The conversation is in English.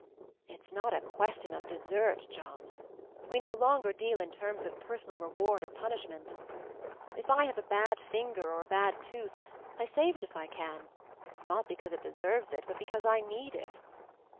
"It's not a question of desert, John. We no longer deal in terms of personal reward or punishment. If I have a bad finger or a bad tooth I save it if I can ; not because it deserves it, but because I need it.